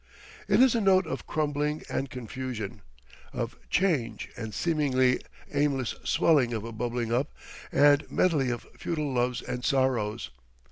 It is a note of crumbling and confusion, of change and seemingly aimless swelling, of a bubbling up and medley of futile loves and sorrows.